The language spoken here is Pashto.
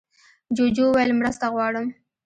جوجو وویل مرسته غواړم.